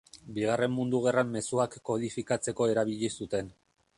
Bigarren Mundu Gerran mezuak kodifikatzeko erabili zuten.